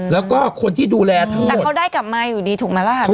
แล้วก็คนที่ดูแลทั้งหมดแต่เขาได้กลับมาอยู่ดีถูกไหมล่ะ